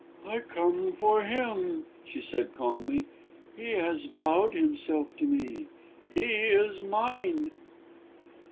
"I come for him," she said calmly. "He has vowed himself to me; he is mine!"